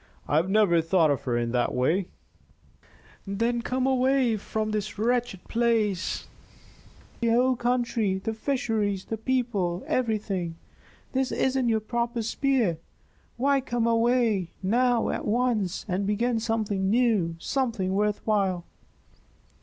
"I have never thought of her in that way " "Then come away from this wretched place. I detest the whole country the fisheries, the people, everything. This isn't your proper sphere. Why come away, now, at once, and begin something new, something worth while?"